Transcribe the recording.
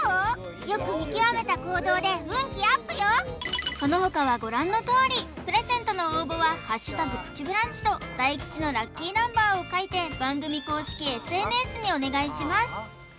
よく見極めた行動で運気アップよその他はご覧のとおりプレゼントの応募は「＃プチブランチ」と大吉のラッキーナンバーを書いて番組公式ＳＮＳにお願いします